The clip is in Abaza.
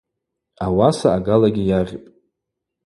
Ауаса агалагьи йагъьпӏ.